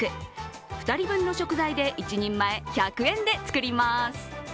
２人分の食材で１人前１００円で作ります。